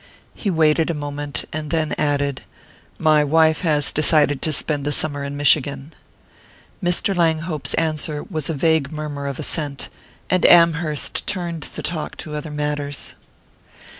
He waited a moment, and then added: "My wife has decided to spend the summer in Michigan." Mr. Langhope's answer was a vague murmur of assent, and Amherst turned the talk to other matters.